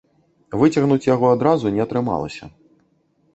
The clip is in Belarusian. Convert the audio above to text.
Выцягнуць яго адразу не атрымалася.